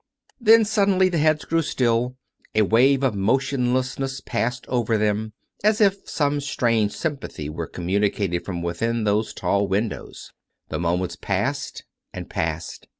... Then suddenly the heads grew still; a wave of motion lessness passed over them, as if some strange sympathy were communicated from within those tall windows. The moments passed and passed.